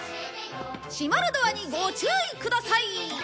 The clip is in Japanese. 閉まるドアにご注意ください。